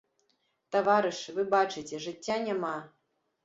Таварышы, вы бачыце, жыцця няма.